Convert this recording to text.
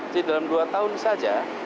jadi dalam dua tahun saja